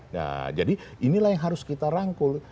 nah jadi inilah yang harus kita rangkul